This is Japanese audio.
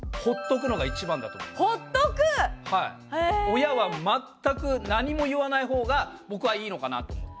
親は全く何も言わないほうが僕はいいのかなと思って。